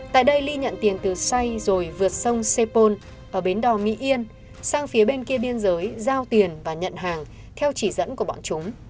tại đây ly nhận tiền từ xay rồi vượt sông sepol ở bến đò mỹ yên sang phía bên kia biên giới giao tiền và nhận hàng theo chỉ dẫn của bọn chúng